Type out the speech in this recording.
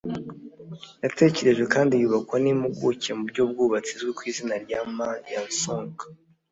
yatekerejwe kandi yubakwa n’impuguke mu by’ubwubatsi izwi ku izina rya Ma Yansong